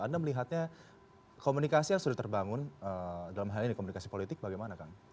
anda melihatnya komunikasi yang sudah terbangun dalam hal ini komunikasi politik bagaimana kang